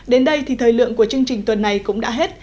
đến đây thì thời lượng của chương trình tuần này cũng đã hết